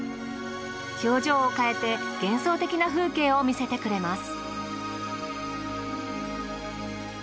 表情を変えて幻想的な風景を見せてくれます。